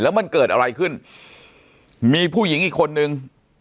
มันเกิดอะไรขึ้นมีผู้หญิงอีกคนนึง